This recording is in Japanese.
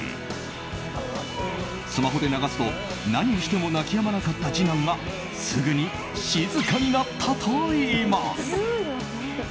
スマホで流すと、何をしても泣きやまなかった次男がすぐに静かになったといいます。